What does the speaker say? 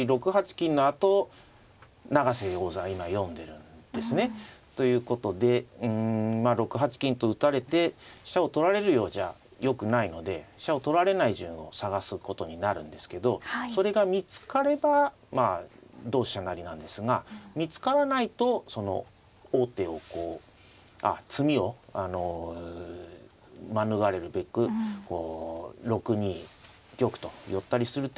金のあと永瀬王座は今読んでるんですね。ということでうんまあ６八金と打たれて飛車を取られるようじゃよくないので飛車を取られない順を探すことになるんですけどそれが見つかれば同飛車成なんですが見つからないとその王手をこうあっ詰みを免れるべく６二玉と寄ったりする手も考えられるわけですね。